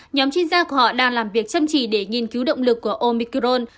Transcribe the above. nhóm chuyên gia của họ đang làm việc chăm chỉ để nghiên cứu động lực của omicron